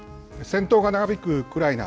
戦闘が長引くウクライナ。